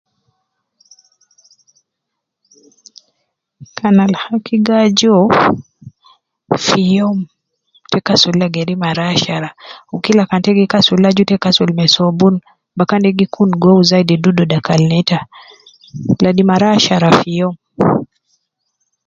Kan al haki gajuo fi yom ita kasulda geri mara ashara ukila kan ita gikasul ida aju ita kasul me sobun bakan de gikun gou zaidi dudu dakul neta .Ladi mara ashara fi yom